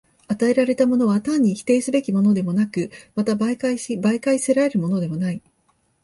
与えられたものは単に否定すべきものでもなく、また媒介し媒介せられるものでもない。